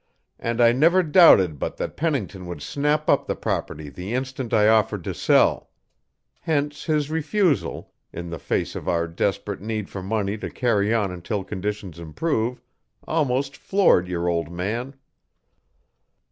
And I never doubted but that Pennington would snap up the property the instant I offered to sell. Hence his refusal in the face of our desperate need for money to carry on until conditions improve almost floored your old man."